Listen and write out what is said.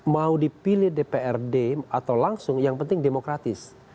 mau dipilih dprd atau langsung yang penting demokratis